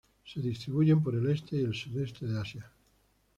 Se distribuyen por el este y el sudeste de Asia.